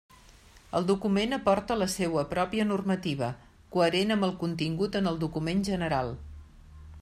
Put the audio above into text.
El document aporta la seua pròpia normativa, coherent amb el contingut en el document general.